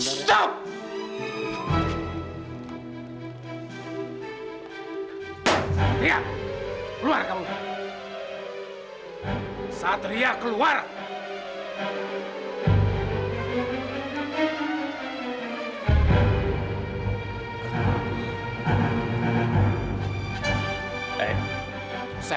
mas pelan pelan mas